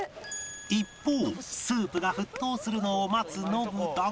一方スープが沸騰するのを待つノブだが